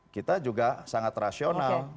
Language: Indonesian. kita juga sangat rasional